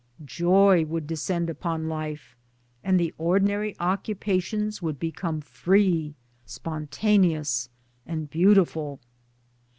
Joy would descend upon life, and the ordinary occupations would become free, spontaneous and beautiful.